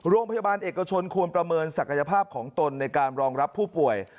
โรงพยาบาลเอกชนควรประเมินศักยภาพของตนในการรองรับผู้ป่วย